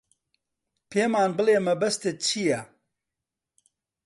پێمان بڵێ مەبەستت چییە.